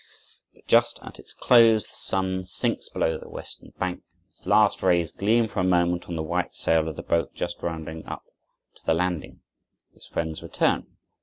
But just at its close the sun sinks below the western bank, its last rays gleam for a moment on the white sail of the boat just rounding up to the landing. His friends return.